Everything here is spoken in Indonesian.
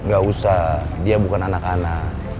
gak usah dia bukan anak anak